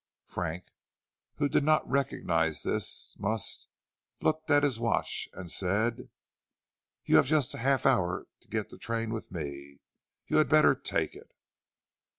Frank, who did not recognize this must, looked at his watch and said: "You have just a half hour to get the train with me; you had better take it."